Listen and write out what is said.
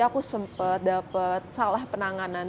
aku sempet dapet salah penanganan